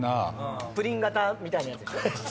プリン形みたいなやつでしょ。